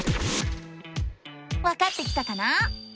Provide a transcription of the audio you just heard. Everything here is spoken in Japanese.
わかってきたかな？